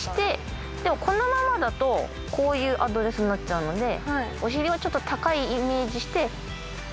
でもこのままだとこういうアドレスになっちゃうのでお尻をちょっと高いイメージして。